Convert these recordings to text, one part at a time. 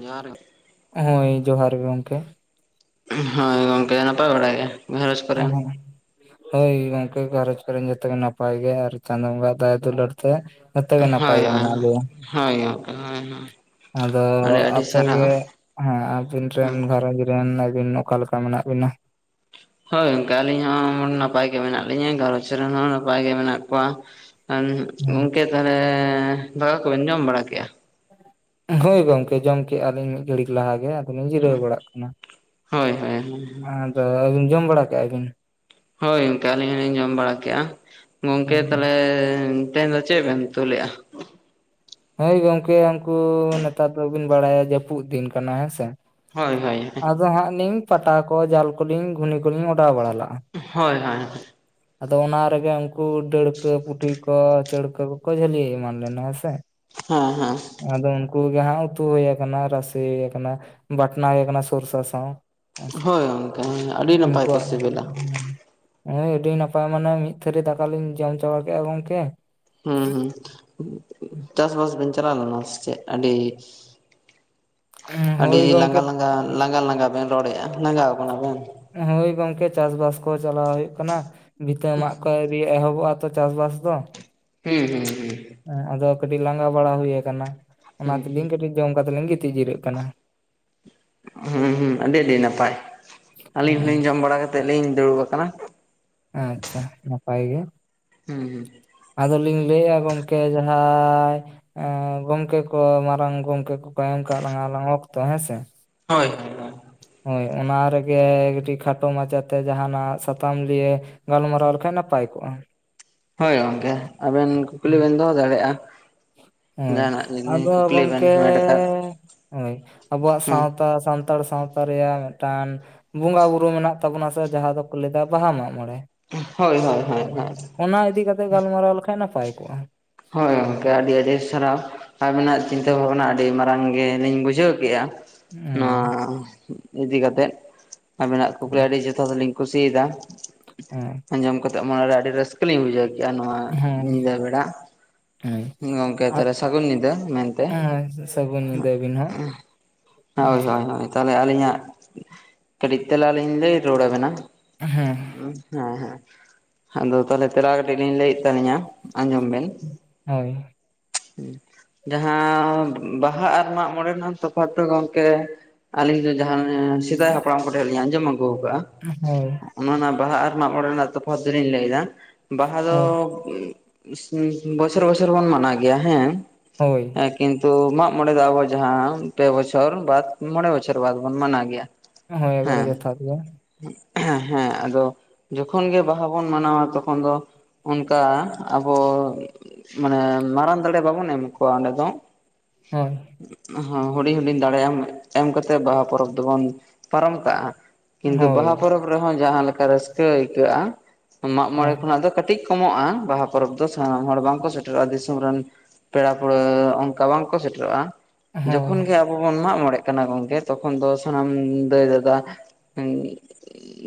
ᱡᱚᱦᱟᱨ ᱜᱮ, ᱦᱳᱭ ᱡᱚᱦᱟᱨ ᱜᱮ ᱜᱚᱢᱠᱮ᱾ ᱦᱳᱭ ᱜᱚᱝᱠᱮ ᱱᱟᱯᱟᱭ ᱵᱟᱲᱟ ᱜᱮ᱾ ᱜᱷᱟᱨᱚᱸᱡᱽ ᱠᱚᱨᱮᱱ [unintelligible] ᱦᱳᱭ ᱜᱚᱝᱠᱮ ᱜᱽᱷᱟᱨᱚᱡᱽ ᱠᱚᱨᱮ ᱡᱚᱛᱚ ᱱᱟᱯᱟᱭ ᱜᱮ᱾ ᱟᱨ ᱪᱟᱸᱫᱚ ᱵᱚᱸᱜᱟ ᱫᱟᱭ ᱫᱩᱞᱟᱹᱲ ᱛᱮ᱾ ᱡᱚᱛᱚ ᱜᱮ ᱱᱟᱯᱟᱭ ᱦᱳᱭ, ᱜᱮ ᱢᱮᱱᱟᱜ ᱞᱮᱭᱟ ᱦᱳᱭ, ᱦᱭ, ᱟᱫᱚ ᱟᱯ ᱜᱮ ᱦᱮᱸ ᱟᱵᱤᱱ ᱦᱩᱸ ᱨᱮᱱ ᱜᱷᱟᱨᱚᱸᱡᱽ [unintelligible] ᱟᱹᱵᱤᱱ ᱚᱠᱟ ᱞᱮᱠᱟ ᱢᱮᱱᱟᱜ ᱵᱤᱱᱟ? ᱦᱳᱭ ᱜᱚᱝᱠᱮ ᱟᱹᱞᱤᱧ ᱦᱚᱸ ᱱᱟᱯᱟᱭ ᱜᱮ ᱢᱮᱱᱟᱜ ᱞᱤᱧᱟᱹ᱾ ᱜᱷᱟᱨᱚᱡᱽ ᱨᱮᱱ ᱦᱚᱸ ᱱᱟᱯᱟᱭ ᱜᱮ ᱢᱮᱱᱟᱜ ᱠᱚᱣᱟ᱾ ᱜᱚᱝᱠᱮ ᱛᱟᱦᱚᱞᱮ ᱫᱟᱠᱟ ᱠᱚᱵᱮᱱ ᱡᱚᱢ ᱵᱟᱲᱟᱠᱮᱜᱼᱟ? ᱦᱳᱭ ᱜᱚᱝᱠᱮ ᱡᱚᱢ ᱠᱮᱜᱼᱟ ᱞᱤᱧ ᱢᱤᱫ ᱜᱷᱟᱹᱲᱤᱡ ᱞᱟᱦᱟ ᱜᱮ, ᱟᱫᱚᱞᱤᱧ ᱡᱤᱨᱟᱹᱣ ᱵᱟᱲᱟᱜ ᱠᱟᱱᱟ᱾ ᱦᱳᱭ, ᱦᱳᱭ, ᱦᱳᱭ ᱟᱫᱚ ᱟᱹᱵᱤᱱ ᱡᱚᱢ ᱵᱟᱲᱟ ᱠᱮᱜᱼᱟ ᱵᱤᱱ? ᱦᱳᱭ ᱜᱚᱝᱠᱮ ᱟᱹᱞᱤᱧ ᱦᱚᱸᱞᱤᱧ ᱡᱚᱢ ᱵᱟᱲᱟᱠᱮᱜᱼᱟ᱾ ᱜᱚᱝᱠᱮ ᱛᱟᱦᱚᱞᱮ ᱛᱮᱦᱮᱧ ᱫᱚ ᱪᱮᱫ ᱵᱮᱱ ᱩᱛᱩ ᱞᱟᱹᱜᱼᱟ? ᱦᱳᱭ ᱜᱚᱝᱠᱮ ᱩᱱᱠᱩ ᱱᱮᱛᱟᱨ ᱫᱚᱵᱤᱱ ᱵᱟᱲᱟᱭ-ᱟ ᱡᱟᱹᱯᱩᱫ ᱫᱤᱱ ᱠᱟᱱᱟ ᱦᱮᱸᱥᱮ ᱦᱳᱭ ᱦᱳᱭ ᱦᱳᱭ ᱟᱫᱚ ᱦᱟᱸᱜ ᱞᱤᱧ ᱯᱟᱴᱟ ᱠᱚ ᱡᱟᱞ ᱠᱚᱞᱤᱧ ᱜᱷᱩᱱᱤ ᱠᱚᱞᱤᱧ ᱚᱰᱟᱣ ᱵᱟᱲᱟ ᱞᱟᱜᱼᱟ᱾ ᱦᱳᱭ ᱦᱳᱭ, ᱟᱫᱚ ᱚᱱᱟ ᱨᱮᱜᱮ ᱩᱱᱠᱩ ᱰᱟᱹᱲᱠᱟᱹ ᱯᱩᱴᱤ ᱠᱚ ᱪᱟᱹᱲᱠᱟᱹ ᱠᱚᱼᱠᱚ ᱡᱷᱽᱟᱹᱞᱤ ᱮᱢᱟᱱ ᱞᱮᱱᱟ ᱦᱮᱸᱥᱮ᱾ ᱦᱮᱸ ᱦᱮᱸ, ᱟᱫᱚ ᱩᱱᱠᱩ ᱜᱮ ᱦᱟᱸᱜ ᱩᱛᱩ ᱦᱳᱭ ᱟᱠᱟᱱᱟ᱾ ᱨᱟᱥᱮ ᱟᱠᱟᱱᱟ ᱵᱟᱴᱱᱟ ᱦᱩᱭ ᱟᱠᱟᱱᱟ᱾ ᱥᱚᱨᱥᱟ ᱥᱸᱟᱣ᱾ ᱟᱪᱪᱷᱟ ᱦᱳᱭ ᱜᱚᱝᱠᱮ ᱟᱹᱰᱤ [unintelligible] ᱱᱟᱯᱟᱭ ᱩᱱᱠᱩ ᱠᱚ ᱥᱤᱵᱤᱞᱟ ᱱᱚᱜᱭ [unintelligible] ᱟᱹᱰᱤ ᱱᱟᱯᱟᱭ ᱢᱟᱱᱮ ᱢᱤᱫ ᱛᱷᱟᱹᱨᱤ ᱫᱟᱠᱟ ᱞᱤᱧ ᱡᱚᱢ ᱪᱟᱵᱟ ᱠᱮᱫᱼᱟ ᱜᱚᱝᱠᱮ᱾ ᱦᱩᱸ ᱦᱩᱸ, ᱪᱟᱥ ᱵᱟᱥ ᱵᱮᱱ ᱪᱟᱞᱟᱣ ᱞᱮᱱᱟ᱾ ᱥᱮ ᱟᱹᱰᱤ ᱟᱹᱰᱤ ᱦᱳᱭ ᱜᱚᱝᱠᱮ ᱞᱟᱸᱜᱟ - ᱞᱟᱸᱜᱟ, ᱞᱟᱸᱜᱟ - ᱞᱟᱸᱜᱟ ᱵᱮᱱ ᱨᱚᱲᱮᱫᱼᱟ᱾ ᱞᱟᱸᱜᱟᱣ ᱟᱠᱟᱱᱟ ᱵᱮᱱ? ᱦᱳᱭ ᱜᱚᱝᱠᱮ, ᱪᱟᱥ ᱵᱟᱥ ᱠᱚ ᱪᱟᱞᱟᱣ ᱦᱩᱭᱩᱜ ᱠᱟᱱᱟ ᱾ ᱵᱷᱽᱤᱛᱟᱹ ᱢᱟᱜ ᱠᱚ ᱟᱹᱣᱨᱤ ᱮᱦᱚᱵᱚᱜᱼᱟ ᱛᱚ ᱪᱟᱥ ᱵᱟᱥ ᱫᱚ᱾ ᱦᱩᱸ ᱦᱩᱸ ᱦᱩᱸ ᱟᱫᱚ ᱠᱟᱹᱴᱤᱡ ᱞᱟᱸᱜᱟ ᱵᱟᱲᱟ ᱦᱩᱭ ᱠᱟᱱᱟ ᱾ ᱚᱱᱟ ᱦᱩᱸ ᱛᱮᱞᱤᱧ ᱠᱟᱹᱴᱤᱡ ᱡᱚᱢ ᱠᱟᱛᱮ ᱞᱤᱧ ᱜᱤᱛᱤᱡ ᱡᱤᱨᱟᱹᱜ ᱠᱟᱱᱟ᱾ ᱦᱮᱸ [unintelligible] ᱦᱩᱸ ᱟᱹᱰᱤ ᱟᱹᱰᱤ ᱱᱟᱯᱟᱭ ᱟᱹᱞᱤᱧ ᱦᱮᱸ ᱦᱚᱸᱞᱤᱧ ᱡᱚᱢ ᱵᱟᱲᱟ ᱠᱟᱛᱮᱫ ᱞᱤᱧ ᱫᱩᱲᱩᱵ ᱟᱠᱟᱱᱟ᱾ ᱟᱪᱪᱷᱟ ᱱᱟᱯᱟᱭ ᱜᱮ᱾ ᱦᱩᱸ ᱦᱩᱸ ᱟᱫᱚᱞᱤᱧ ᱞᱟᱹᱭᱼᱟ ᱜᱚᱝᱠᱮ ᱡᱟᱦᱟᱸᱭ ᱚ ᱜᱚᱝᱠᱮ ᱠᱚ ᱢᱟᱨᱟᱝ ᱜᱚᱝᱠᱮ ᱠᱚᱼᱠᱚ ᱮᱢ ᱠᱟᱜ ᱞᱟᱝ ᱟᱞᱟᱝ ᱚᱠᱛᱚ ᱦᱮᱸ ᱥᱮ᱾ ᱦᱳᱭ, ᱦᱳᱭ᱾ ᱦᱳᱭ ᱚᱱᱟ ᱨᱮᱜᱮ ᱠᱟᱹᱴᱤᱡ ᱠᱷᱟᱴᱚ ᱢᱟᱪᱷᱟᱛᱮ ᱡᱟᱦᱟᱱᱟ-ᱜ ᱥᱟᱛᱟᱢ ᱞᱤᱭᱮ ᱜᱟᱞᱢᱟᱨᱟᱣ ᱞᱮᱠᱷᱟᱱ ᱱᱟᱯᱟᱭ ᱠᱚᱜᱼᱟ᱾ ᱦᱳᱭ ᱜᱚᱝᱠᱮ, ᱟᱵᱮᱱ ᱠᱩᱠᱞᱤ ᱵᱮᱱ ᱫᱚᱦᱚ ᱫᱟᱲᱮᱭᱟᱜᱼᱟ᱾ ᱦᱳᱭ, ᱡᱟᱦᱟᱱᱟᱜ ᱡᱩᱫᱤ ᱟᱫᱚ ᱠᱩᱠᱞᱤ ᱵᱮᱱ ᱜᱚᱝᱠᱮ ᱦᱮᱢᱮᱴ ᱟᱠᱟᱫ ᱦᱳᱭ ᱟᱵᱚᱣᱟ-ᱜ ᱦᱩᱸ ᱥᱟᱸᱣᱛᱟ ᱥᱟᱱᱛᱟᱲ ᱥᱟᱸᱣᱛᱟ ᱨᱮᱭᱟᱜ ᱢᱤᱫᱴᱟᱝ, ᱵᱚᱸᱜᱟ ᱵᱩᱨᱩ ᱢᱮᱱᱟᱜ ᱛᱟᱵᱚᱱᱟ ᱥᱮ, ᱡᱟᱦᱟᱸ ᱫᱚᱠᱚ ᱞᱟᱹᱭ ᱮᱫᱟ ᱵᱟᱦᱟ ᱢᱟᱜ ᱢᱚᱬᱮᱸ ᱦᱳᱭ, ᱦᱳᱭ, ᱦᱳᱭ, ᱦᱳᱭ, ᱚᱱᱟ ᱤᱫᱤ ᱠᱟᱛᱮᱜ ᱜᱟᱞᱢᱟᱨᱟᱣ ᱞᱮᱠᱷᱟᱱ ᱱᱟᱯᱟᱭ ᱠᱚᱜᱼᱟ᱾ ᱦᱳᱭ ᱜᱚᱝᱠᱮ ᱟᱹᱰᱤ ᱟᱹᱰᱤ ᱥᱟᱨᱟᱣ᱾ ᱟᱹᱵᱤᱱᱟᱜ ᱪᱤᱱᱛᱟᱹ ᱵᱷᱟᱵᱽᱱᱟ ᱟᱹᱰᱤ ᱢᱟᱨᱟᱝ ᱜᱮ ᱞᱤᱧ ᱵᱩᱡᱷᱟᱹᱣ ᱠᱮᱜᱼᱟ᱾ ᱱᱚᱣᱟ ᱦᱮᱸ ᱤᱫᱤ ᱠᱟᱛᱮᱫ, ᱟᱵᱤᱱᱟᱜ ᱠᱩᱠᱞᱤ ᱟᱹᱰᱤ ᱡᱩ [unintelligible] ᱞᱤᱧ ᱠᱩᱥᱤᱭᱟᱫᱟ᱾ ᱦᱮᱸ [unintelligible] ᱟᱸᱡᱚᱢ ᱠᱟᱛᱮᱫ ᱢᱚᱱᱮ ᱨᱮ ᱟᱹᱰᱤ ᱨᱟᱹᱥᱠᱟᱹ ᱞᱤᱧ ᱵᱩᱡᱷᱟᱹᱣ ᱠᱮᱜᱼᱟ᱾ ᱱᱚᱣᱟ ᱦᱮᱸ ᱧᱤᱫᱟᱹ ᱵᱮᱲᱟ᱾ ᱜᱚᱝᱠᱮ ᱟᱫᱚ ᱛᱟᱦᱚᱞᱮ ᱥᱟᱹᱜᱩᱱ ᱧᱤᱫᱟᱹ ᱢᱮᱱᱛᱮ᱾ ᱦᱮᱸ ᱥᱟᱹᱜᱩᱱ ᱧᱤᱫᱟᱹ ᱟᱹᱵᱤᱱ ᱦᱚᱸ ᱦᱳᱭ ᱦᱳᱭ ᱦᱳᱭ ᱛᱟᱦᱞᱮ ᱟᱹᱞᱤᱧᱟᱜ ᱠᱟᱹᱴᱤᱡ ᱛᱮᱞᱟ ᱞᱤᱧ ᱞᱟᱹᱭ ᱨᱩᱣᱟᱹᱲ ᱟᱵᱮᱱᱟ᱾ ᱦᱮᱸ ᱦᱮᱸ ᱦᱮᱸ ᱟᱫᱚ ᱛᱟᱦᱞᱮ ᱛᱮᱞᱟ ᱠᱟᱹᱴᱤᱡ ᱞᱤᱧ ᱞᱟᱹᱭᱮᱫ ᱛᱟᱞᱤᱧᱟ ᱟᱸᱡᱚᱢ ᱵᱮᱱ ᱦᱳᱭ, ᱡᱟᱦᱟᱸ ᱵᱟᱦᱟ ᱟᱨ ᱢᱟᱜ ᱢᱚᱬᱮ ᱨᱮ ᱛᱚᱯᱷᱟᱫ ᱫᱚ ᱜᱚᱝᱠᱮ ᱟᱹᱞᱤᱧ ᱫᱚ ᱡᱟᱦᱟᱸ ᱥᱮᱫᱟᱭ ᱦᱟᱯᱲᱟᱢ ᱠᱚᱴᱷᱮᱡ ᱞᱤᱧ ᱟᱸᱡᱚᱢ ᱟᱹᱜᱩᱣ ᱠᱟᱜ-ᱟ ᱦᱳᱭ, ᱚᱱᱟ ᱚᱱᱟ ᱵᱟᱦᱟ ᱟᱨ ᱢᱟᱜ ᱢᱚᱬᱮ ᱨᱮᱱᱟᱜ ᱛᱚᱯᱷᱟᱫ ᱫᱚᱞᱤᱧ ᱞᱟᱹᱭ ᱫᱟ, ᱵᱟᱦᱟ ᱫᱚ ᱦᱳᱭ ᱵᱚᱪᱷᱚᱨ ᱵᱚᱪᱷᱚᱨ ᱵᱚᱱ ᱢᱟᱱᱟᱣ ᱜᱮᱭᱟ ᱦᱮᱸ, ᱦᱳᱭ ᱮ ᱠᱤᱱᱛᱩ ᱢᱟᱜ ᱢᱚᱬᱮ ᱫᱚ ᱟᱵᱚ ᱡᱟᱦᱟᱸ ᱯᱮ ᱵᱚᱪᱷᱚᱨ ᱵᱟᱫ ᱢᱚᱬᱮ ᱵᱚᱪᱷᱚᱨ ᱵᱟᱫ ᱵᱚᱱ ᱢᱟᱱᱟᱶ ᱜᱮᱭᱟ᱾ ᱦᱮᱸ ᱮᱠᱵᱟᱨᱮ ᱡᱚᱛᱷᱟᱛ ᱜᱮ᱾ ᱦᱮᱸ ᱟᱫᱚ ᱡᱚᱠᱷᱚᱱ ᱜᱮ ᱵᱟᱦᱟ ᱵᱚᱱ ᱢᱟᱱᱟᱣᱟ ᱛᱚᱠᱷᱚᱱ ᱫᱚ ᱚᱱᱠᱟ ᱟᱵᱚ ᱢᱟᱱᱮ ᱢᱟᱨᱟᱝ ᱫᱟᱲᱮ ᱵᱟᱵᱚᱱ ᱮᱢ ᱠᱚᱣᱟ ᱚᱸᱰᱮ ᱫᱚ, ᱦᱳᱭ ᱦᱩᱰᱤᱧ ᱦᱩᱰᱤᱧ ᱫᱟᱲᱮᱭᱟᱱ ᱮᱢ ᱠᱟᱛᱮ ᱵᱟᱦᱟ ᱯᱚᱨᱚᱵᱽ ᱫᱚᱵᱚᱱ ᱯᱟᱨᱚᱢ ᱠᱟᱜ-ᱟ᱾ ᱠᱤᱱᱛᱩ ᱦᱳᱭ ᱵᱟᱦᱟ ᱯᱚᱨᱚᱵᱽ ᱨᱮᱦᱚᱸ ᱡᱟᱦᱟᱸ ᱞᱮᱠᱟ ᱨᱟᱹᱥᱠᱟᱹ ᱟᱹᱭᱠᱟᱹᱜ-ᱟ ᱢᱟᱜ ᱢᱚᱬᱮ ᱦᱳᱭ ᱠᱷᱚᱱᱟᱜ ᱫᱚ ᱠᱟᱹᱴᱤᱡ ᱠᱚᱢᱚᱜ-ᱟ ᱵᱟᱦᱟ ᱯᱚᱨᱚᱵᱽ ᱫᱚ ᱥᱟᱱᱟᱢ ᱦᱚᱲ ᱵᱟᱝ ᱠᱚ ᱥᱮᱴᱮᱨᱚᱜ-ᱟ ᱫᱤᱥᱚᱢ ᱨᱮᱱ ᱯᱮᱲᱟ ᱯᱟᱹᱲᱦᱟᱹ ᱚᱱᱠᱟ ᱵᱟᱝᱠᱚ ᱥᱮᱴᱮᱨᱚᱜ-ᱟ ᱦᱳᱭ ᱡᱚᱠᱷᱚᱱ ᱜᱮ ᱟ ᱵᱚᱱ ᱢᱟᱜ ᱢᱚᱬᱮᱜ ᱠᱟᱱᱟ ᱜᱚᱝᱠᱮ ᱛᱚᱠᱷᱚᱱ ᱫᱚ ᱥᱟᱱᱟᱢ ᱫᱟᱹᱭ ᱫᱟᱫᱟ ᱦᱩᱸ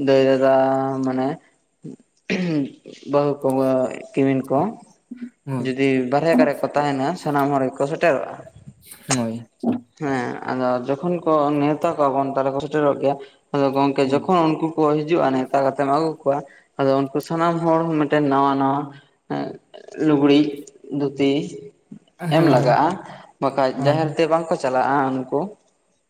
ᱫᱟᱹᱭ ᱫᱟ ᱫᱟ ᱢᱟᱱᱮ, ᱵᱟᱹᱦᱩ ᱠᱚ ᱵᱟ ᱠᱤᱢᱤᱱ ᱠᱚ, ᱦᱳᱭ ᱡᱩᱫᱤ ᱵᱟᱨᱦᱮ ᱠᱟᱨᱮ ᱠᱚ ᱛᱟᱦᱮᱱᱟ ᱥᱟᱱᱟᱢ ᱦᱚᱲ ᱜᱮᱠᱚ ᱥᱮᱴᱮᱨᱚᱜ-ᱟ᱾ ᱦᱳᱭ ᱦᱮᱸ ᱟᱫᱚ ᱡᱚᱠᱷᱚᱱ ᱠᱚ ᱱᱮᱣᱛᱟ ᱠᱚᱣᱟ ᱵᱚᱱ ᱛᱟᱦᱞᱮ ᱠᱚ ᱥᱮᱴᱮᱨᱚᱜ ᱜᱮᱭᱟ ᱟᱫᱚ ᱜᱚᱝᱠᱮ ᱦᱳᱭ ᱡᱚᱠᱷᱚᱱ ᱩᱱᱠᱩ ᱠᱚ ᱦᱤᱡᱩᱜ-ᱟ ᱱᱮᱣᱛᱟ ᱠᱟᱛᱮᱢ ᱟᱹᱜᱩ ᱠᱚᱣᱟ ᱟᱫᱚ ᱩᱱᱠᱩ ᱥᱟᱱᱟᱢ ᱦᱚᱲ ᱢᱮᱴᱮᱱ ᱱᱟᱣᱟ ᱱᱟᱶᱟ ᱦᱮᱸ ᱞᱩᱜᱽᱲᱤᱡ ᱫᱷᱩᱛᱤ ᱮᱢ ᱦᱳᱭ ᱞᱟᱜᱟ-ᱟ ᱵᱟᱠᱷᱟᱡ ᱡᱟᱦᱮᱨ ᱛᱮ ᱵᱟᱝᱠᱚ ᱪᱟᱞᱟᱜ-ᱟ ᱩᱱᱠᱩ,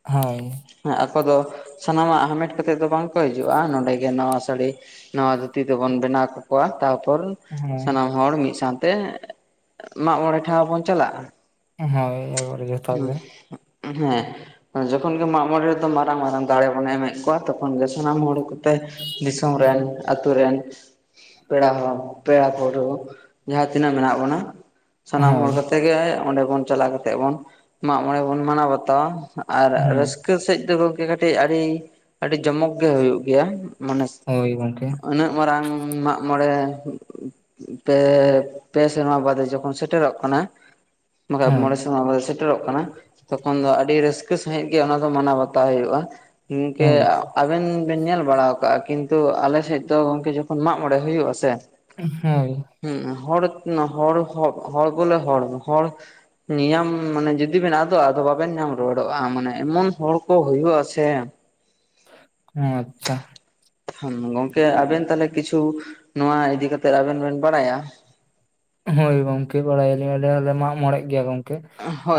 ᱦᱳᱭ ᱦᱮᱸ ᱟᱠᱚ ᱫᱚ ᱥᱟᱱᱟᱢᱟᱜ ᱦᱟᱢᱮᱴ ᱠᱟᱛᱮᱜ ᱫᱚ ᱵᱟᱝᱠᱚ ᱦᱤᱡᱩᱜ-ᱟ ᱱᱚᱸᱰᱮ ᱜᱮ ᱱᱟᱣᱟ ᱥᱟᱹᱲᱤ ᱱᱟᱣᱟ ᱫᱷᱩᱛᱤ ᱛᱮᱵᱚᱱ ᱵᱮᱱᱟᱣ ᱠᱟᱠᱚᱣᱟ ᱛᱟᱯᱚᱨ ᱥᱟᱱᱟᱢ ᱦᱚᱲ ᱢᱤᱫ ᱥᱟᱶᱛᱮ ᱢᱟᱜ ᱢᱚᱬᱮ ᱴᱷᱟᱶ ᱵᱚᱱ ᱪᱟᱞᱟᱜ-ᱟ᱾ ᱦᱳᱭ ᱮᱠᱵᱟᱨᱮ ᱡᱚᱛᱷᱟᱛ ᱦᱩᱸ ᱜᱮ ᱦᱮᱸ ᱡᱚᱠᱷᱚᱱ ᱜᱮ ᱢᱟᱜ ᱢᱚᱬᱮ ᱨᱮᱫᱚ ᱢᱟᱨᱟᱝ ᱢᱟᱨᱟᱝ ᱫᱟᱲᱮ ᱵᱚᱱ ᱮᱢᱮᱫ ᱠᱚᱣᱟ ᱛᱚᱠᱷᱚᱱ ᱜᱮ ᱥᱟᱱᱟᱢ ᱦᱚᱲᱠᱚ ᱴᱮ ᱫᱤᱥᱚᱢ ᱨᱮᱱ ᱟᱛᱩ ᱨᱮᱱ ᱯᱮᱲᱟ ᱦᱚᱲ ᱯᱮᱲᱟ ᱯᱟᱹᱨᱣᱟᱹ ᱡᱟᱦᱟᱸ ᱛᱤᱱᱟᱹᱜ ᱢᱮᱱᱟᱜ ᱵᱚᱱᱟ ᱥᱟᱱᱟᱢ ᱦᱳᱭ ᱦᱚᱲ ᱠᱟᱛᱮ ᱜᱮ ᱚᱸᱰᱮ ᱵᱚᱱ ᱪᱟᱞᱟᱣ ᱠᱟᱛᱮᱜ ᱵᱚᱱ ᱢᱟᱜ ᱢᱚᱬᱮ ᱵᱚᱱ ᱢᱟᱱᱟᱣ ᱵᱟᱛᱟᱣᱟ, ᱟᱨ ᱦᱮᱸ ᱨᱟᱹᱥᱠᱟᱹ ᱥᱮᱡ ᱫᱚ ᱜᱚᱝᱠᱮ ᱴᱤᱜ ᱟᱹᱰᱤ ᱟᱹᱰᱤ ᱡᱚᱢᱚᱠ ᱜᱮ ᱦᱩᱭᱳᱜ ᱜᱮᱭᱟ, ᱢᱟᱱᱮ ᱦᱳᱭ ᱜᱚᱝᱠᱮ ᱩᱱᱟᱹᱜ ᱢᱟᱨᱟᱝ ᱢᱟᱜ ᱢᱚᱬᱮ ᱛᱮ ᱯᱮ ᱥᱮᱨᱢᱟ ᱵᱟᱫᱮ ᱡᱚᱠᱷᱚᱱ ᱥᱮᱴᱮᱨᱚᱜ ᱠᱟᱱᱟ ᱵᱟᱠᱷᱟᱡ ᱦᱳᱭ ᱢᱚᱬᱮ ᱱᱚᱣᱟ ᱠᱚᱫᱚ ᱥᱮᱴᱮᱨᱚᱜ ᱠᱟᱱᱟ ᱛᱚᱠᱷᱚᱱ ᱫᱚ ᱟᱹᱰᱤ ᱨᱟᱹᱥᱠᱟᱹ ᱥᱟᱹᱦᱤᱡ ᱜᱮ ᱚᱱᱟ ᱫᱚ ᱢᱟᱱᱟᱣ ᱵᱟᱛᱟᱣ ᱦᱩᱭᱩᱜ-ᱟ᱾ ᱦᱩᱝ ᱠᱮ ᱦᱳᱭ ᱟ ᱟᱵᱮᱱ ᱵᱮᱱ ᱧᱮᱞ ᱵᱟᱲᱟᱶ ᱠᱟᱜ-ᱟ ᱠᱤᱱᱛᱩ ᱟᱞᱮ ᱥᱮᱡ ᱫᱚ ᱜᱚᱝᱠᱮ ᱡᱚᱠᱷᱚᱱ ᱢᱟᱜ ᱢᱚᱬᱮ ᱦᱩᱭᱩᱜ ᱟᱥᱮ, ᱦᱳᱭ ᱦᱩᱸ ᱦᱚᱲ ᱦᱚᱲ ᱦᱚᱜ ᱦᱚᱲ ᱵᱚᱞᱮ ᱦᱚᱲ ᱦᱚᱲ ᱱᱤᱭᱟᱹᱢ ᱢᱟᱱᱮ ᱡᱩᱫᱤ ᱵᱮᱱ ᱟᱫᱚᱜ-ᱟ ᱟᱫᱚ ᱵᱟᱵᱮᱱ ᱧᱟᱢ ᱨᱩᱣᱟᱹᱲᱚᱜ-ᱟ ᱢᱟᱱᱮ ᱮᱢᱚᱱ ᱦᱚᱲ ᱠᱚ ᱦᱩᱭᱩᱜ-ᱟ ᱥᱮ ᱟᱪᱪᱷᱟ ᱦᱮᱸ ᱜᱚᱝᱠᱮ ᱟᱵᱮᱱ ᱛᱟᱦᱞᱮ ᱠᱤᱪᱷᱩ ᱱᱚᱣᱟ ᱤᱫᱤ ᱠᱟᱛᱮᱜ ᱟᱵᱮᱱ ᱵᱮᱱ ᱵᱟᱲᱟᱭᱟ ᱦᱚᱭ ᱜᱚᱝᱠᱮ ᱵᱟᱲᱟᱭᱟᱞᱤᱧ ᱟᱞᱮ ᱦᱚᱞᱮ ᱢᱟᱜ ᱢᱚᱬᱮ ᱜᱮᱭᱟ ᱜᱚᱝ ᱠᱮ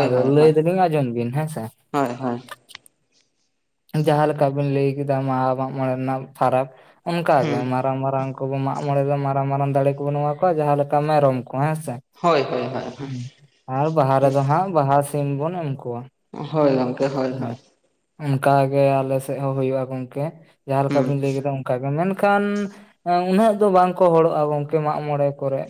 ᱟᱫᱚ ᱞᱟᱹᱭ ᱫᱚᱞᱤᱧ ᱟᱸᱡᱚᱢ ᱵᱤᱱ ᱦᱮᱸ ᱥᱮ ᱦᱚᱭ ᱦᱚᱭ ᱡᱟᱦᱟᱸ ᱞᱮᱠᱟ ᱵᱤᱱ ᱞᱟᱹᱭ ᱠᱮᱫᱟ ᱢᱟᱜ ᱢᱚᱬᱮ ᱨᱮᱱᱟᱜ ᱯᱷᱟᱨᱟᱠ ᱚᱱᱠᱟᱜᱮ ᱦᱩᱸ ᱢᱟᱨᱟᱝ ᱢᱟᱨᱟᱝ ᱠᱚᱵᱚ ᱢᱟᱜ ᱢᱚᱬᱮ ᱫᱚ ᱢᱟᱨᱟᱝ ᱢᱟᱨᱟᱝ ᱫᱟᱲᱮ ᱠᱚᱵᱚᱱ ᱮᱢᱟ ᱠᱚᱣᱟ ᱡᱟᱦᱟᱸᱮ ᱞᱮᱠᱟ ᱢᱮᱨᱚᱢ ᱠᱚ ᱦᱮᱸ ᱥᱮ ᱦᱳᱭ ᱦᱳᱭ ᱦᱳᱭ ᱟᱨ ᱵᱟᱦᱟ ᱨᱮᱫᱚ ᱦᱟᱸᱜ ᱵᱟᱦᱟ ᱥᱤᱢ ᱵᱚᱱ ᱮᱢ ᱠᱚᱣᱟ᱾ ᱦᱚᱭ ᱜᱚᱝᱠᱮ ᱦᱚᱭ ᱦᱚᱭ ᱦᱮᱸ ᱚᱱᱠᱟᱜᱮ ᱟᱞᱮ ᱥᱮᱫ ᱦᱚᱸ ᱦᱩᱭᱩᱜ-ᱟ ᱜᱚᱝᱠᱮ ᱡᱟᱦᱟᱸᱞᱮᱠᱟ ᱦᱩᱸ ᱵᱤᱱ ᱞᱟᱹᱭ ᱠᱮᱫᱟ ᱚᱱᱠᱟᱜᱮ ᱢᱮᱱᱠᱷᱟᱱ ᱩᱱᱟᱹᱜ ᱫᱚ ᱵᱟᱝᱠᱚ ᱦᱚᱲᱚᱜ-ᱟ ᱜᱚᱝᱠᱮ ᱢᱟᱜ ᱢᱚᱬᱮ ᱠᱚᱨᱮ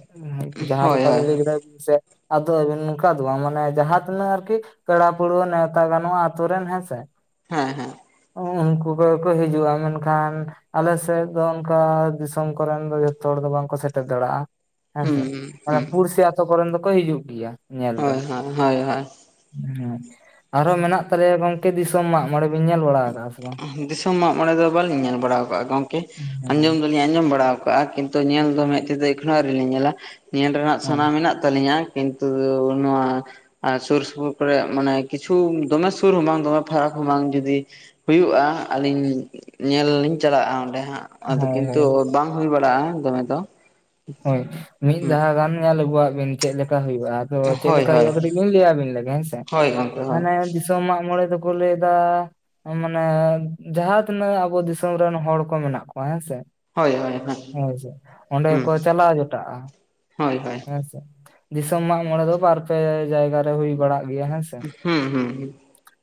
ᱡᱟᱦᱟᱸ ᱦᱳᱭ ᱞᱮᱠᱟ ᱵᱤᱱ ᱦᱳᱭ ᱞᱟᱹᱭ ᱠᱮᱫᱟ ᱥᱮ ᱟᱫᱚ ᱱᱚᱝᱠᱟ ᱫᱚ ᱵᱟᱝ ᱢᱟᱱᱮ ᱡᱟᱦᱟᱸ ᱛᱤᱱᱟᱹᱜ ᱟᱨᱠᱤ ᱯᱮᱲᱟ ᱯᱟᱹᱲᱦᱟᱹ ᱱᱮᱣᱛᱟ ᱜᱟᱱᱚᱜ-ᱟ ᱛᱩᱨᱮᱱ ᱦᱮᱸ ᱥᱮ ᱦᱮᱸ ᱦᱮᱸ ᱩᱱᱠᱩ ᱠᱚᱜᱮ ᱠᱚ ᱦᱤᱡᱩᱜ-ᱟ ᱢᱮᱱᱠᱷᱟᱱ ᱟᱞᱮ ᱥᱮᱫ ᱫᱚ ᱚᱱᱠᱟ ᱫᱤᱥᱚᱢ ᱠᱚᱨᱮᱱ ᱫᱚ ᱡᱚᱛ ᱛᱚ ᱦᱚᱲ ᱫᱚ ᱵᱟᱝᱠᱚ ᱥᱮᱴᱮᱨ ᱫᱟᱲᱮᱭᱟᱜ-ᱟ ᱦᱮᱸᱥᱮ ᱦᱩᱸ ᱦᱩᱸ ᱯᱩᱲᱥᱤ ᱟᱛᱚ ᱠᱚᱨᱮᱱ ᱫᱚᱠᱚ ᱦᱤᱡᱩᱜ ᱜᱮᱭᱟ᱾ ᱧᱮᱞ ᱫᱚ ᱦᱚᱭ ᱦᱚᱭ ᱦᱚᱭ ᱦᱚᱭ ᱦᱮᱸ ᱟᱨᱦᱚᱸ ᱢᱮᱱᱟᱜ ᱛᱟᱞᱮᱭᱟ ᱜᱚᱝᱠᱮ ᱫᱤᱥᱚᱢ ᱢᱟᱜ ᱢᱚᱬᱮ ᱵᱤᱱ ᱧᱮᱞ ᱵᱟᱲᱟ ᱟᱠᱟᱫᱟ-ᱟ ᱥᱮ ᱵᱟᱝ ᱫᱤᱥᱚᱢ ᱢᱟᱜ ᱢᱚᱲᱮ ᱫᱚ ᱵᱟᱞᱤᱧ ᱧᱮᱞ ᱵᱟᱲᱟ ᱟᱠᱟᱫ-ᱟ ᱜᱚᱝᱠᱮ ᱟᱸᱡᱚᱢ ᱫᱚ ᱟᱸᱡᱚᱢ ᱵᱟᱲᱟᱣ ᱟᱠᱟᱜ-ᱟ ᱠᱤᱱᱛᱩ ᱧᱮᱞ ᱫᱚ ᱢᱮᱫ ᱛᱮᱫᱚ ᱮᱠᱷᱱᱟᱚᱣ ᱨᱮ ᱞᱤᱧ ᱧᱮᱞᱟ ᱧᱮᱞ ᱨᱮᱱᱟᱜ ᱦᱮᱸ ᱥᱟᱱᱟ ᱢᱮᱱᱟᱜ ᱛᱟᱹᱟᱞᱤᱧᱟ ᱠᱤᱱᱛᱩ ᱱᱚᱣᱟ ᱟᱨ ᱥᱩᱨ ᱥᱩᱯᱩᱨ ᱠᱚᱨᱮ ᱢᱟᱱᱮ ᱠᱤᱪᱷᱩ ᱫᱚᱢᱮ ᱥᱩᱨ ᱦᱚᱸᱢᱟᱝ ᱫᱚᱢᱮ ᱯᱷᱟᱨᱟᱠ ᱦᱚᱸᱢᱟᱝ ᱡᱩᱫᱤ ᱦᱩᱭᱩᱜ-ᱟ ᱟᱹᱞᱤᱧ ᱧᱮᱞ ᱞᱤᱧ ᱪᱟᱞᱟᱜ-ᱟ ᱚᱸᱰᱮ ᱦᱟᱸᱜ ᱟᱫᱚ ᱦᱳᱭ ᱠᱤᱱᱛᱩ ᱦᱳᱭ ᱵᱟᱝ ᱦᱩᱭ ᱵᱟᱲᱟᱜ-ᱟ ᱫᱚᱢᱮ ᱫᱚ ᱦᱚᱭ ᱢᱤᱫ ᱦᱩᱸ ᱫᱟᱦᱟ ᱜᱟᱱ ᱧᱮᱞ ᱟᱹᱜᱩᱣᱟᱜ ᱵᱤᱱ ᱪᱮᱫ ᱞᱮᱠᱟ ᱦᱩᱭᱩᱜ-ᱟ᱾ ᱛᱚ ᱪᱮᱫ ᱦᱳᱭ ᱞᱮᱠᱟ ᱦᱳᱭ ᱦᱩᱭᱩᱜ-ᱟ ᱟᱫᱚ ᱞᱤᱧ ᱞᱟᱹᱭᱟᱵᱤᱱ ᱞᱮᱜᱮ ᱦᱮᱸᱥᱮ ᱦᱳᱭ ᱜᱚᱝᱠᱮ ᱦᱳᱭ ᱢᱟᱱᱮ ᱡᱤᱥ ᱛᱚ ᱢᱟᱜ ᱢᱚᱬᱮ ᱫᱚᱠᱚ ᱞᱟᱹᱭᱫᱟ ᱛᱚ ᱢᱟᱱᱮ ᱡᱟᱦᱟᱸ ᱛᱤᱱᱟᱹᱜ ᱟᱵᱚ ᱫᱤᱥᱚᱢ ᱨᱮᱱ ᱦᱚᱲ ᱠᱚ ᱢᱮᱱᱟᱜ ᱠᱚᱣᱟ ᱦᱮᱸ ᱥᱮ ᱦᱳᱭ ᱦᱳᱭ ᱦᱮᱸ ᱥᱮ ᱚᱸᱰᱮ ᱦᱩᱸ ᱠᱚ ᱪᱟᱞᱟᱣ ᱡᱚᱴᱟᱜ-ᱟ ᱦᱳᱭ ᱦᱳᱭ ᱦᱮᱸ ᱥᱮ ᱫᱤᱥᱚᱢ ᱢᱟᱜ ᱢᱚᱬᱮ ᱫᱚ ᱵᱟᱨ ᱯᱮ ᱡᱟᱭᱜᱟ ᱨᱮ ᱦᱩᱭ ᱵᱟᱲᱟᱜ ᱜᱮᱭᱟ ᱦᱮᱸᱥᱮ ᱦᱩᱸ ᱦᱩᱸ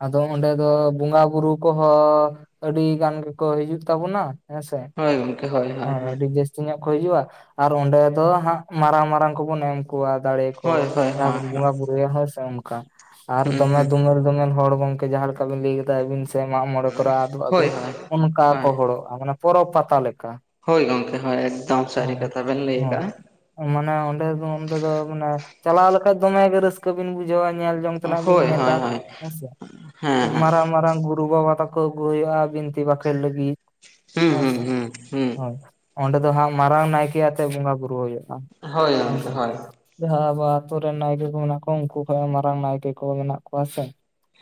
ᱟᱫᱚ ᱚᱸᱰᱮ ᱫᱚ ᱵᱚᱸᱜᱟ ᱵᱩᱨᱩ ᱠᱚᱦᱚᱸ ᱟᱹᱰᱤ ᱜᱟᱱ ᱜᱮᱠᱚ ᱦᱤᱡᱩᱜ ᱛᱟᱵᱚᱱᱟ᱾ ᱦᱮᱸ ᱥᱮ ᱦᱳᱭ ᱜᱚᱢᱠᱮ ᱦᱳᱭ ᱦᱳᱭ ᱦᱚᱭ ᱟᱹᱰᱤ ᱵᱮᱥ ᱥᱩᱧᱚᱜ ᱠᱚ ᱦᱤᱡᱩᱜᱼᱟ ᱟᱨ ᱚᱸᱰᱮ ᱫᱚ ᱦᱟᱸᱜ ᱢᱟᱨᱟᱝ ᱢᱟᱨᱟᱝ ᱠᱚᱵᱚᱱ ᱮᱢ ᱠᱚᱣᱟ ᱫᱟᱲᱮ ᱠᱚ ᱦᱳᱭ ᱦᱳᱭ ᱦᱳᱭ ᱡᱟᱦᱟᱸ ᱦᱳᱭ ᱵᱚᱱ ᱵᱚᱸᱜᱟ ᱵᱩᱨᱩᱭᱟ ᱦᱮᱸ ᱥᱮ ᱚᱱᱠᱟ ᱟᱨ ᱦᱩᱸ ᱫᱚᱢᱮ ᱦᱩᱸ ᱫᱚᱢᱮᱞ ᱫᱚᱢᱮᱞ ᱦᱚᱲ ᱜᱚᱝᱠᱮ ᱡᱟᱦᱟᱸ ᱞᱮᱠᱟ ᱟᱵᱤᱱ ᱞᱟᱹᱭ ᱠᱮᱫᱟᱭᱵᱤᱱ ᱥᱮ ᱢᱟᱜ ᱢᱚᱬᱮ ᱠᱚᱨᱮ ᱟᱫᱚᱜ ᱦᱳᱭ ᱟᱵᱤᱱ ᱦᱳᱭ ᱚᱱᱠᱟ ᱠᱚ ᱦᱚᱲᱚᱜ ᱛᱟᱢᱟᱱᱮ ᱯᱚᱨᱚᱵᱽ ᱯᱟᱛᱟ ᱞᱮᱠᱟ ᱦᱚᱭ ᱜᱚᱝᱠᱮ ᱦᱚᱭ ᱮᱠᱫᱚᱢ ᱥᱟᱹᱨᱤ ᱠᱟᱛᱷᱟ ᱵᱮᱱ ᱞᱟᱹᱭ ᱟᱠᱟᱜᱼᱟ ᱦᱚᱭ ᱢᱟᱱᱮ ᱚᱸᱰᱮ ᱫᱚ ᱚᱸᱰᱮ ᱫᱚ ᱢᱟᱱᱮ ᱪᱟᱞᱟᱣ ᱞᱮᱠᱷᱟᱡ ᱫᱚᱢᱮ ᱜᱮ ᱨᱟᱹᱥᱠᱟᱹ ᱨᱟᱹᱥᱠᱟᱹ ᱵᱤᱱ ᱵᱩᱡᱷᱟᱹᱣᱟ ᱧᱮᱞ ᱡᱚᱝ ᱛᱮ ᱵᱤᱱ ᱦᱳᱭ ᱧᱮᱞᱟ ᱦᱳᱭ ᱦᱳᱭ ᱦᱮᱸᱥᱮ ᱦᱮᱸ ᱦᱮᱸ ᱢᱟᱨᱟᱝ ᱢᱟᱨᱟᱝ ᱜᱩᱨᱩ ᱵᱟᱵᱟ ᱛᱟᱠᱚ ᱠᱚ ᱟᱹᱜᱩ ᱦᱩᱭᱩᱜ-ᱟ ᱵᱤᱱᱛᱤ ᱵᱟᱠᱷᱮᱬ ᱞᱟᱹᱜᱤᱫ ᱦᱩᱸ ᱦᱩᱸ ᱦᱮᱸᱥᱮ ᱦᱩᱸ ᱦᱩᱸ ᱦᱳᱭ ᱚᱸᱰᱮ ᱫᱚ ᱦᱟᱸᱜ ᱢᱟᱨᱟᱝ ᱱᱟᱭᱠᱮ ᱟᱛᱮᱜ ᱵᱚᱸᱜᱟ ᱵᱩᱨᱩ ᱦᱩᱭᱩᱜ-ᱟ ᱦᱳᱭ ᱦᱮᱸ ᱜᱚᱢᱠᱮ ᱥᱮ᱾ ᱦᱳᱭ ᱡᱟᱦᱟᱸ ᱟᱵᱚ ᱟᱛᱩᱨ ᱨᱮᱱ ᱱᱟᱭᱠᱮ ᱠᱚ ᱢᱮᱱᱟᱜ ᱠᱚᱣᱟ ᱩᱱᱠᱩ ᱠᱷᱚᱱ ᱢᱟᱨᱟᱝ ᱱᱟᱭᱠᱮ ᱠᱚ ᱢᱮᱱᱟᱜ ᱠᱚᱣᱟ ᱥᱮᱼᱼ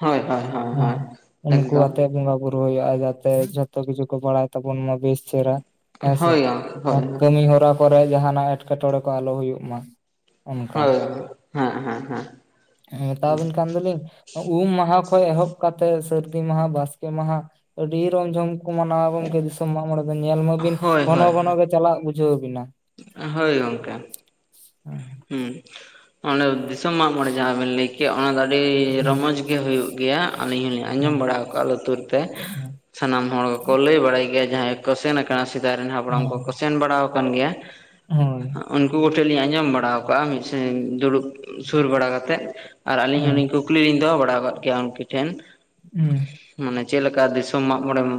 ᱦᱳᱭ ᱦᱳᱭ ᱦᱳᱭ ᱦᱮᱸ ᱦᱳᱭ ᱩᱱᱠᱩ ᱮᱠᱫᱚᱢ ᱟᱛᱮ ᱵᱚᱸᱜᱟ ᱵᱩᱼᱼ ᱯᱩᱨ ᱦᱩᱭᱩᱜᱼᱟ ᱡᱟᱛᱮ ᱡᱷᱚᱛᱚ ᱠᱤᱪᱷᱩ ᱠᱚ ᱵᱟᱲᱟᱭ ᱛᱟᱵᱚᱱ ᱢᱟ ᱵᱮᱥ ᱪᱮᱦᱨᱟ᱾ ᱦᱮᱸᱥᱮ ᱦᱳᱭ ᱜᱚᱢᱠᱮ ᱦᱳᱭ ᱠᱟᱹᱢᱤ ᱦᱚᱨᱟ ᱠᱚᱨᱮ ᱡᱟᱦᱟᱱᱟᱜ ᱮᱴᱠᱮ ᱴᱚᱬᱮ ᱠᱚ ᱟᱞᱚ ᱦᱩᱭᱩᱜ ᱢᱟ᱾ ᱚᱱᱠᱟ ᱦᱳᱭ, ᱦᱮᱸ ᱦᱮᱸ ᱦᱮᱸ ᱦᱮᱸᱛᱟᱣᱵᱮᱱ ᱠᱟᱱ ᱫᱚᱞᱤᱧᱼᱼ ᱩᱢ ᱢᱟᱦᱟ ᱠᱷᱚᱱ ᱮᱦᱚᱵ ᱠᱟᱛᱮᱜ ᱥᱟᱹᱨᱫᱤ ᱢᱟᱦᱟ ᱵᱟᱥᱠᱮ ᱢᱟᱦᱟ ᱟᱹᱰᱤ ᱨᱚᱢ ᱡᱷᱚᱢᱼᱼ ᱢᱟᱱᱟᱣᱟ ᱜᱚᱢᱠᱮ ᱫᱤᱥᱚᱢ ᱢᱟᱜ ᱢᱚᱲᱮ ᱫᱚ ᱧᱮᱞ ᱢᱟᱵᱤᱱ ᱦᱳᱭ ᱜᱚᱱᱚ ᱦᱳᱭ ᱜᱷᱚᱱᱚᱜ ᱜᱮ ᱪᱟᱞᱟᱜ ᱵᱩᱡᱷᱟᱹᱣ ᱵᱮᱱᱟ᱾ ᱦᱳᱭ ᱜᱚᱝᱠᱮ ᱦᱮᱸ ᱚᱸᱰᱮ ᱫᱤᱥᱚᱢ ᱢᱟᱜᱢᱚᱬᱮ ᱡᱟᱦᱟᱸ ᱵᱮᱱ ᱞᱟᱹᱭ ᱠᱮ ᱚᱱᱟ ᱫᱚ ᱟᱹᱰᱤ ᱨᱚᱢᱚᱡᱽᱼᱼ ᱜᱮ ᱦᱩᱭᱩᱜ ᱜᱮᱭᱟ ᱟᱹᱞᱤᱧ ᱦᱚᱞᱤᱧ ᱟᱸᱡᱚᱢ ᱵᱟᱲᱟ ᱦᱮᱸ ᱠᱟᱜᱼᱟ ᱞᱩᱛᱩᱨ ᱛᱮ, ᱥᱟᱱᱟᱢ ᱦᱚᱲ ᱠᱚᱠᱚ ᱞᱟᱹᱭ ᱵᱟᱲᱟᱭ ᱜᱮᱭᱟ ᱡᱟᱦᱟᱸᱭ ᱠᱚ ᱥᱮᱱ ᱠᱟᱱᱟ ᱥᱮᱫᱟᱭ ᱨᱮᱱ ᱦᱟᱯᱲᱟᱢ ᱠᱚᱠᱚ ᱦᱮᱸ ᱥᱮᱱ ᱵᱟᱲ ᱟᱠᱟᱱ ᱜᱮᱭᱟ᱾ ᱦᱳᱭ ᱩᱱᱠᱩ ᱜᱚᱴᱮᱞ ᱞᱤᱧ ᱟᱸᱡᱚᱢ ᱵᱟᱲᱟᱼᱼ ᱵᱟᱲᱟᱣ ᱠᱟᱜᱼᱟ ᱢᱤᱫ ᱫᱩᱲᱩᱵ ᱥᱩᱨ ᱵᱟᱲᱟ ᱠᱟᱛᱮᱫ ᱟᱨ ᱟᱹᱞᱤᱧ ᱦᱚᱸᱞᱤᱧᱼᱼ ᱦᱮᱸ ᱠᱩᱠᱞᱤᱧ ᱫᱚᱦᱚ ᱵᱟᱲᱟ ᱟᱠᱟᱫ ᱜᱮᱭᱟ ᱩᱱᱠᱩ ᱴᱷᱮᱱ? ᱦᱮᱸ ᱢᱟᱱᱮ ᱪᱮᱫᱮᱠᱟ ᱫᱤᱥᱚᱢ ᱢᱟᱜᱢᱚᱬᱮᱢᱼᱼ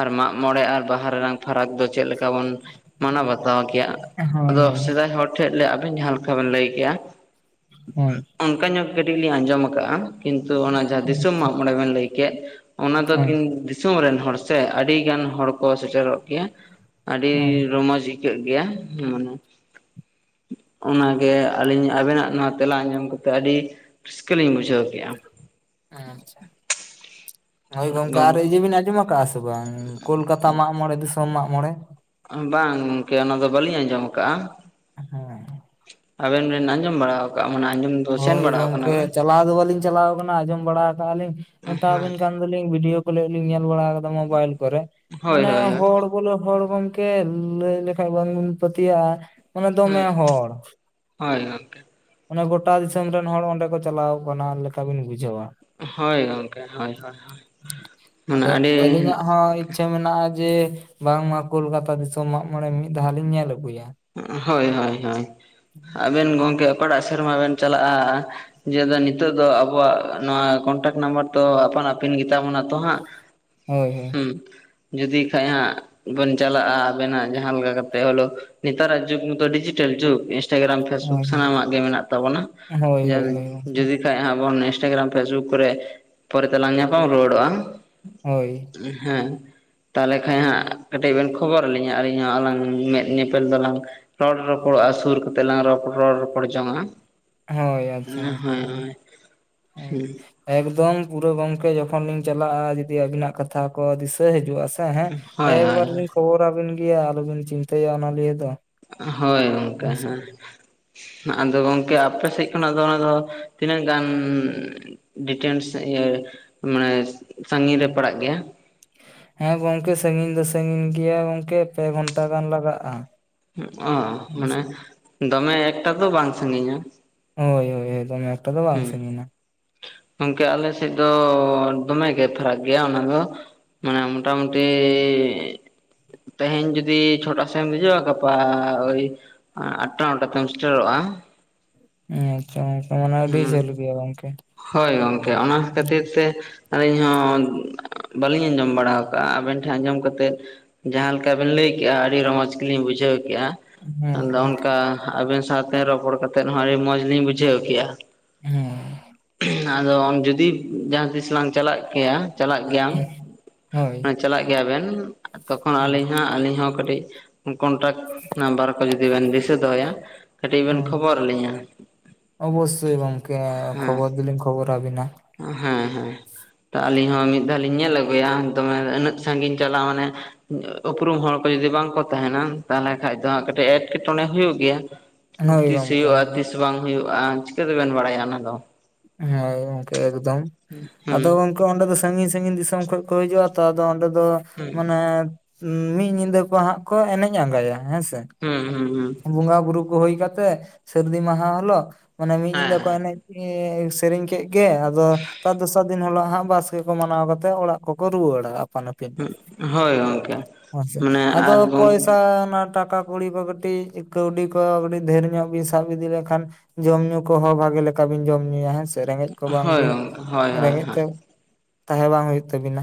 ᱟᱨ ᱢᱟᱜ ᱢᱚᱬᱮ ᱟᱨ ᱵᱟᱦᱟᱱᱟ ᱯᱷᱟᱨᱟᱠ ᱫᱚ ᱪᱮᱫᱮ ᱞᱮᱠᱟ ᱵᱩᱱ ᱢᱟᱱᱟᱣ ᱵᱟᱛᱟᱣ ᱜᱮᱭᱟ᱾ ᱦᱮᱸ ᱦᱳᱭ ᱟᱫᱚ ᱦᱳᱭ ᱥᱮᱫᱟᱭ ᱦᱚᱲ ᱴᱷᱮᱱ ᱞᱮ ᱟᱹᱵᱤᱱ ᱡᱟᱦᱟᱸ ᱞᱮᱠᱟ ᱵᱤᱱ ᱞᱟᱹᱭ ᱠᱮᱜᱼᱟ᱾ ᱦᱮᱸ ᱚᱱᱠᱟ ᱧᱚᱜ ᱠᱟᱹᱴᱤᱡ ᱞᱤᱧ ᱟᱸᱡᱚᱢ ᱟᱠᱟᱜᱼᱟ ᱠᱤᱱᱛᱩ ᱚᱱᱟ ᱡᱟᱦᱟᱸ ᱫᱤᱥᱚᱢ ᱢᱟᱜ ᱢᱚᱬᱮ ᱵᱮᱱ ᱞᱟᱹᱭ ᱠᱮᱫ ᱚᱱᱟ ᱫᱚ ᱦᱳᱭ ᱠᱤᱱ ᱫᱤᱥᱚᱢ ᱨᱮᱱ ᱦᱚᱲ ᱥᱮ ᱟᱹᱰᱤ ᱜᱟᱱ ᱦᱚᱲ ᱠᱚ ᱥᱮᱴᱮᱨᱚᱜ ᱜᱮᱭᱟ᱾ ᱟᱹᱰᱤ ᱦᱳᱭ ᱨᱚᱢᱚᱡᱽ ᱟᱹᱭᱠᱟᱹᱜ ᱜᱮᱭᱟ ᱢᱟᱱᱮ ᱚᱱᱟᱜᱮ ᱟᱹᱞᱤᱧ ᱟᱵᱮᱱᱟᱜ ᱱᱚᱣᱟ ᱛᱮᱞᱟ ᱟᱸᱚᱢ ᱠᱟᱛᱮᱫ ᱟᱹᱰᱤ ᱨᱟᱹᱥᱠᱟᱹ ᱞᱤᱧ ᱵᱩᱡᱷᱟᱹᱣ ᱠᱮᱜᱼᱟ᱾ ᱟᱪᱪᱷᱟ ᱦᱳᱭ ᱜᱚᱢᱠᱮ ᱜᱚᱝ ᱟᱨ ᱤᱡᱳ ᱵᱤᱱ ᱟᱡᱚᱢ ᱟᱠᱟᱫᱟ? ᱥᱮ ᱵᱟᱝ ᱠᱳᱞᱠᱟᱛᱟ ᱢᱟᱜᱽ ᱢᱚᱬᱮᱸ ᱫᱤᱥᱚᱢ ᱢᱟᱜᱽ ᱢᱚᱬᱮᱸ? ᱵᱟᱝ ᱜᱮ ᱚᱱᱟ ᱫᱚ ᱵᱟᱹᱞᱤᱧ ᱟᱸᱡᱚᱢ ᱟᱠᱟᱫᱼᱟ᱾ ᱦᱮᱸᱻ ᱟᱵᱮᱱ ᱵᱮᱱ ᱟᱸᱡᱚᱢ ᱵᱟᱲᱟ ᱟᱠᱟᱣᱼᱟ ᱢᱟᱱᱮ ᱟᱸᱚᱢᱼᱼ ᱦᱳᱭ ᱜᱚᱝᱠᱮ ᱪᱟᱞᱟᱣ ᱫᱚ ᱵᱟᱞᱤᱧ ᱪᱟᱞᱟᱣ ᱟᱠᱟᱱᱟ ᱟᱸᱡᱚᱢ ᱵᱟᱲᱟ ᱟᱠᱟᱜᱼᱟ ᱞᱤᱧ ᱦᱮᱸ ᱢᱮᱛᱟᱵᱤᱱ ᱠᱟᱱ ᱵᱷᱤᱰᱭᱳ ᱠᱚ ᱞᱤᱧ ᱧᱮᱞ ᱵᱟᱲᱟ ᱟᱠᱟᱫᱟ ᱢᱳᱵᱟᱭᱤᱞ ᱠᱚᱨᱮ ᱦᱳᱭ ᱢᱟᱱᱮ ᱦᱳᱭ ᱦᱚᱲ ᱵᱚᱞᱮ ᱦᱚᱲ ᱜᱚᱝᱠᱮ ᱞᱟᱹᱭ ᱞᱮᱠᱷᱟᱱ ᱵᱟᱝᱵᱚᱱ ᱯᱟᱹᱛᱭᱟᱹᱜᱼᱟ ᱢᱟᱱᱮ ᱫᱚᱢᱮ ᱦᱳᱭ ᱦᱚᱲᱼᱼ ᱦᱳᱭ ᱜᱚᱝᱠᱮ ᱚᱱᱮ ᱜᱚᱴᱟ ᱫᱤᱥᱚᱢ ᱨᱮᱱ ᱦᱚᱲ ᱚᱸᱰᱮ ᱠᱚ ᱪᱟᱞᱟᱣ ᱟᱠᱟᱱᱟ ᱞᱮᱠᱟ ᱵᱤᱱ ᱵᱩᱡᱷᱟᱹᱣᱼᱟ᱾ ᱦᱳᱭ ᱜᱚᱝᱠᱮ ᱦᱳᱭ ᱦᱳᱭ ᱢᱟᱱᱮ ᱟᱹᱰᱤᱼᱼ ᱪᱮ ᱢᱮᱱᱟᱜᱼᱟ ᱡᱮ ᱵᱟᱝᱢᱟ ᱠᱳᱞᱠᱟᱛᱟ ᱫᱤᱥᱚᱢ ᱢᱟᱜ ᱢᱚᱬᱮᱸ ᱢᱤᱫ ᱫᱷᱟᱣ ᱞᱤᱧ ᱧᱮᱞ ᱟᱹᱜᱩᱭᱟ᱾ ᱦᱳᱭ ᱦᱳᱭ ᱦᱳᱭ ᱟᱵᱮᱱ ᱜᱚᱢᱠᱮ ᱚᱠᱟᱴᱟᱜ ᱥᱮᱨᱢᱟ ᱵᱮᱱ ᱪᱟᱞᱟᱜᱼᱟ? ᱡᱮ ᱱᱤᱛᱚᱜ ᱫᱚ ᱟᱵᱚᱣᱟᱜ ᱱᱚᱣᱟ ᱠᱚᱱᱴᱟᱠ ᱱᱟᱢᱵᱟᱨ ᱫᱚ ᱟᱯᱟᱱ ᱟᱹᱯᱤᱱ ᱜᱮᱛᱟᱵᱚᱱᱟ ᱛᱚ ᱦᱟᱸᱜ ᱦᱳᱭ ᱦᱩᱸ ᱡᱩᱫᱤ ᱠᱷᱟᱡ ᱦᱟᱸᱜ ᱵᱚᱱ ᱪᱟᱞᱟᱜᱼᱟ ᱟᱵᱮᱱᱟᱜ ᱡᱟᱦᱟᱸ ᱟᱞᱜᱟ ᱠᱟᱛᱮᱜ ᱦᱚᱞᱳ ᱼᱼ ᱱᱮᱛᱟᱨᱟᱜ ᱡᱩᱜᱽ ᱢᱟᱛᱚ ᱰᱤᱡᱤᱴᱟᱞ ᱡᱩᱜᱽᱼᱼ ᱤᱱᱥᱴᱟᱜᱨᱟᱢ ᱯᱷᱮᱥᱵᱩᱠ ᱦᱳᱭ ᱦᱳᱭ ᱥᱟᱱᱟᱢᱟᱜ ᱜᱮ ᱢᱮᱱᱟᱜ ᱛᱟᱵᱚᱱᱟᱼᱼ ᱦᱳᱭ ᱦᱳᱭ ᱦᱳᱭ ᱦᱳᱭ ᱠᱷᱟᱡ ᱦᱟᱜ ᱵᱚᱱ ᱤᱱᱥᱴᱟᱜᱨᱟᱢ ᱯᱷᱮᱥᱵᱩᱠ ᱠᱚᱨᱮ ᱯᱚᱨᱮᱛᱮᱞᱟᱝ ᱧᱟᱯᱟᱢ ᱨᱩᱣᱟᱹᱲᱚᱜᱼᱟ᱾ ᱦᱳᱭ ᱦᱮᱸ ᱛᱟᱦᱚᱞᱮ ᱠᱷᱟᱡ ᱦᱟᱸᱜ ᱠᱟᱹᱴᱤᱡ ᱵᱮᱱ ᱠᱷᱚᱵᱚᱨᱟ ᱞᱤᱧᱟ ᱟᱹᱞᱤᱧ ᱦᱚᱸ ᱟᱞᱟᱝ ᱢᱮᱫ ᱧᱮ ᱧᱮᱯᱮᱞ ᱫᱚᱞᱟᱝ ᱨᱚᱲ ᱨᱚᱯᱚᱲᱚᱜᱼᱟ ᱥᱩᱨ ᱠᱟᱛᱮᱜ ᱞᱟᱝ ᱨᱚᱯᱚᱲ ᱨᱚᱲ ᱨᱚᱯᱚᱲ ᱡᱚᱝᱼᱟ ᱦᱳᱭ ᱟᱪᱷᱟ ᱜᱚᱝᱠᱮ ᱦᱳᱭ ᱦᱳᱭ ᱮᱠᱫᱚᱢ ᱯᱩᱨᱟᱹ ᱜᱚᱝᱠᱮ ᱡᱚᱠᱷᱚᱱ ᱞᱤᱧ ᱪᱟᱞᱟᱜᱼᱟ ᱡᱩᱫᱤ ᱟᱵᱤᱱᱟᱜ ᱠᱟᱛᱷᱟ ᱠᱚ ᱫᱤᱥᱟᱹ ᱦᱤᱡᱩᱜᱼᱟ ᱥᱮ ᱦᱮᱸ ᱦᱳᱭ ᱦᱳᱭ ᱮᱠᱵᱟᱨᱮ ᱞᱤᱧ ᱠᱷᱚᱵᱚᱨᱟᱵᱤᱱ ᱜᱮᱭᱟ ᱟᱞᱚᱵᱤᱱ ᱪᱤᱱᱛᱟᱹᱭᱟ ᱚᱱᱟᱞᱤᱭᱮ ᱫᱚ ᱦᱳᱭ ᱜᱚᱝᱠᱮ ᱦᱮᱸ ᱟᱫᱚ ᱜᱚᱝᱠᱮ ᱟᱯᱮ ᱥᱮᱫ ᱠᱷᱚᱱᱟᱜ ᱫᱚ ᱚᱱᱟ ᱫᱚ ᱛᱤᱱᱟᱹᱜ ᱜᱟᱱ ᱰᱤᱴᱮᱱᱥ ᱢᱟᱱᱮ ᱥᱟᱺᱜᱤᱧ ᱨᱮ ᱯᱟᱲᱟᱜ ᱜᱮᱭᱟ ᱦᱮᱸ ᱜᱚᱝᱠᱮ ᱥᱟᱹᱜᱤᱧ ᱫᱚ ᱥᱟᱹᱜᱤᱧ ᱜᱮᱭᱟ ᱜᱚᱝᱠᱮ ᱯᱮ ᱜᱷᱚᱱᱴᱟ ᱜᱟᱱ ᱞᱟᱜᱟᱜᱼᱟ ᱚ ᱢᱟᱱᱮ ᱫᱚᱢᱮ ᱮᱠᱴᱟ ᱫᱚ ᱵᱟᱝ ᱥᱟᱜᱤᱧᱟ ᱦᱳᱭ ᱦᱳᱭᱦᱳᱭ ᱫᱚᱢᱮ ᱮᱠᱴᱟ ᱫᱚ ᱵᱟᱝ ᱥᱟᱜᱤᱧᱟ ᱜᱚᱝᱠᱮ ᱟᱞᱮ ᱥᱮᱫ ᱫᱚ ᱫᱚᱢᱮᱜᱮ ᱯᱷᱟᱨᱟᱠ ᱜᱮᱭᱟ ᱚᱱᱟ ᱫᱚ ᱢᱟᱱᱮ ᱢᱳᱚᱴᱟᱢᱩᱴᱤ ᱛᱮᱦᱮᱧ ᱡᱩᱫᱤ ᱪᱷᱳᱴᱟ ᱥᱮᱢ ᱦᱤᱡᱩᱜᱼᱟ ᱜᱟᱯᱟ ᱳᱭ ᱟᱴᱴᱟ ᱱᱚᱴᱟ ᱛᱮᱢ ᱥᱮᱴᱮᱨᱚᱜᱼᱟ ᱟᱪᱪᱷᱟ ᱚᱝᱠᱟ ᱢᱟᱱᱮ ᱟᱹᱰᱤ ᱦᱮᱸ ᱡᱷᱟᱹᱞ ᱜᱮᱭᱟ ᱜᱚᱝᱠᱮ ᱦᱳᱭ ᱜᱚᱝᱠᱮ ᱚᱱᱟ ᱠᱷᱟᱹᱛᱤᱨ ᱛᱮ ᱟᱹᱞᱤᱧ ᱦᱚᱸ ᱵᱟᱹᱞᱤᱧ ᱟᱸᱡᱚᱢ ᱵᱟᱲᱟ ᱠᱟᱜᱼᱟ ᱟᱵᱮᱱ ᱴᱷᱮᱱ ᱟᱸᱡᱚᱢ ᱠᱟᱛᱮᱫ ᱡᱟᱦᱟᱸ ᱞᱮᱠᱟ ᱵᱮᱱ ᱞᱟᱹᱭ ᱠᱮᱜᱼᱟ ᱟᱹᱰᱤ ᱨᱚᱢᱚᱪ ᱜᱮᱞᱤᱧ ᱵᱩᱡᱷᱟᱹᱣ ᱠᱮᱜᱼᱟ ᱦᱳᱭ ᱟᱫᱚ ᱜᱚᱝᱠᱮ ᱚᱱᱠᱟ ᱟᱵᱮᱱ ᱥᱟᱶᱛᱮ ᱨᱚᱯᱚᱲ ᱠᱟᱛᱮ ᱦᱚᱸ ᱟᱹᱰᱤ ᱢᱚᱡᱽ ᱞᱤᱧ ᱵᱩᱡᱷᱟᱹᱣ ᱠᱮᱫᱼᱟ ᱦᱩᱸ ᱟᱫᱚ ᱡᱩᱫᱤ ᱡᱟᱦᱟᱸ ᱛᱤᱥ ᱞᱟᱝ ᱪᱟᱞᱟᱜ ᱠᱮᱭᱟ ᱪᱟᱞᱟᱜ ᱜᱮᱭᱟᱢ ᱦᱳᱭ ᱪᱟᱞᱟᱜ ᱜᱮᱭᱟ ᱵᱮᱱ ᱛᱚᱠᱷᱚᱱ ᱦᱳᱭ ᱟᱹᱞᱤᱧ ᱟᱹᱞᱤᱧ ᱦᱚᱸ ᱠᱟᱹᱴᱤᱡ ᱠᱚᱱᱴᱟᱠ ᱱᱟᱢᱵᱟᱨ ᱠᱚ ᱡᱩᱫᱤ ᱵᱮᱱ ᱫᱤᱥᱟᱹ ᱫᱚᱦᱚᱭᱟ ᱠᱟᱹᱴᱤᱡ ᱵᱮᱱ ᱠᱷᱚᱵᱚᱨᱟ ᱞᱤᱧᱟᱹ ᱚᱵᱚᱥᱚᱭ ᱜᱚᱝᱠᱮ ᱦᱮᱸ ᱠᱷᱚᱵᱚᱨ ᱫᱤᱞᱮᱧ ᱠᱷᱚᱵᱚᱨᱟ ᱵᱤᱱᱟ ᱦᱮᱸ ᱦᱮᱸ ᱛᱚ ᱟᱹᱞᱤᱧ ᱦᱚᱸ ᱢᱤᱫ ᱫᱷᱟᱣ ᱞᱤᱧ ᱧᱮᱞ ᱟᱹᱜᱩᱭᱟ ᱫᱚᱢᱮ ᱩᱱᱟᱹᱜ ᱥᱟᱺᱜᱤᱧ ᱪᱟᱞᱟᱣ ᱢᱟᱱᱮ ᱩᱯᱨᱩᱢ ᱦᱚᱲ ᱠᱚ ᱡᱩᱫᱤ ᱵᱟᱝᱠᱚ ᱛᱟᱦᱮᱱᱟ ᱛᱟᱦᱞᱮ ᱠᱷᱟᱡ ᱫᱚ ᱠᱟᱹᱴᱤᱡ ᱮᱸᱴᱠᱮᱴᱚᱬᱮ ᱦᱩᱭᱩᱜ ᱜᱮᱭᱟ᱾ ᱦᱳᱭ ᱛᱤᱥ ᱜᱚᱝᱠᱮ ᱦᱩᱭᱩᱜᱼᱟ ᱦᱳᱭ ᱛᱤᱥ ᱵᱟᱝ ᱦᱩᱭᱩᱜᱼᱟ ᱪᱤᱠᱟᱹᱛᱮᱵᱮᱱ ᱵᱟᱲᱟᱭᱟ ᱚᱱᱟ ᱫᱚ ᱦᱮ ᱜᱚᱝᱠᱮ ᱮᱠᱫᱚᱢ ᱟᱫᱚ ᱦᱩᱸ ᱚᱸᱰᱮ ᱫᱚ ᱥᱟᱺᱜᱤᱧ ᱥᱟᱺᱜᱤᱧ ᱫᱤᱥᱚᱢ ᱠᱷᱚᱱ ᱠᱚ ᱦᱤᱡᱩᱜᱼᱟ ᱛᱚ ᱟᱫᱚ ᱚᱸᱰᱮ ᱫᱚ ᱦᱩᱸ ᱢᱟᱱᱮᱼᱼ ᱢᱤᱫ ᱧᱤᱫᱟᱹ ᱠᱚ ᱦᱟᱸᱜ ᱠᱚ ᱮᱱᱮᱡ ᱟᱸᱜᱟᱭᱟ ᱦᱮᱸᱥᱮ ᱦᱩᱸ ᱦᱩᱸ ᱦᱩᱸ ᱵᱚᱸᱜᱟ ᱵᱩᱨᱩ ᱠᱚ ᱦᱩᱭ ᱠᱟᱛᱮᱜ ᱥᱟᱹᱨᱫᱤ ᱢᱟᱦᱟ ᱦᱤᱞᱳᱜ ᱢᱟᱱᱮ ᱢᱤᱫ ᱦᱮᱸ ᱧᱤᱫᱟᱹ ᱠᱚ ᱦᱮᱸ ᱮᱱᱮᱡ ᱥᱮᱨᱮᱧ ᱠᱮᱫ ᱜᱮ ᱟᱫᱚ ᱛᱟᱨ ᱫᱚᱥᱟᱨ ᱫᱤᱱ ᱦᱤᱞᱳᱜ ᱦᱟᱸᱜ ᱵᱟᱥᱠᱮ ᱠᱚ ᱢᱟᱱᱟᱣ ᱠᱟᱛᱮᱜ ᱚᱲᱟᱜ ᱠᱚᱠᱚ ᱨᱩᱣᱟᱹᱲᱟ᱾ ᱦᱳᱭ ᱜᱚᱝᱠᱮ ᱢᱟᱱᱮ ᱟᱫᱚ ᱟᱨ ᱜᱚᱝ ᱯᱚᱭᱥᱟ ᱢᱟ ᱴᱟᱠᱟ ᱠᱩᱲᱤ ᱠᱚ ᱠᱟᱹᱴᱤᱡ ᱠᱟᱹᱣᱰᱤ ᱠᱚ ᱠᱟᱹᱴᱤᱡ ᱰᱷᱮᱨ ᱧᱚᱜ ᱵᱤᱱ ᱥᱟᱵ ᱤᱫᱤ ᱞᱮᱠᱷᱟᱱ ᱡᱚᱢᱼ ᱧᱩ ᱠᱚᱦᱚᱸ ᱵᱷᱟᱜᱮ ᱞᱮᱠᱟ ᱵᱤᱱ ᱡᱚᱢ ᱧᱩᱭᱟ ᱦᱮᱸ ᱥᱮ ᱨᱮᱸᱜᱮᱡ ᱠᱚ ᱵᱟᱝ ᱦᱳᱭ ᱵᱤᱱ ᱜᱚᱝᱠᱮ ᱦᱳᱭ ᱦᱳᱭ ᱨᱮᱸᱜᱮᱡ ᱦᱳᱭ ᱛᱮ ᱛᱟᱦᱮᱸ ᱵᱟᱝ ᱦᱳᱭᱳᱜ ᱛᱟᱵᱤᱱᱟ᱾